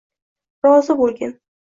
Rozi bo’lgin